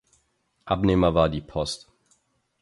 Abnehmer war die Post.